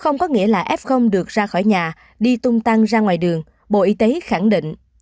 nghĩa là f được ra khỏi nhà đi tung tăng ra ngoài đường bộ y tế khẳng định